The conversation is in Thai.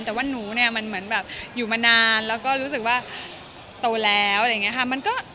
แต่ว่าหนูเนี่ยมันเหมือนแบบอยู่มานานแล้วก็รู้สึกว่าโตแล้วอะไรอย่างนี้ค่ะ